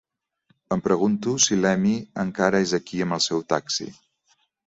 Em pregunto si l'Emie encara és aquí amb el seu taxi